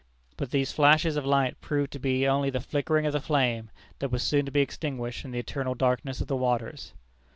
But these flashes of light proved to be only the flickering of the flame, that was soon to be extinguished in the eternal darkness of the waters.